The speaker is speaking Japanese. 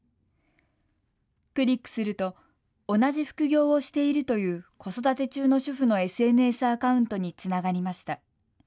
クリックすると同じ副業をしているという子育て中の主婦のＳＮＳアカウントにつながりました。